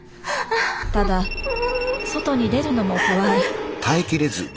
ただ外に出るのも怖い。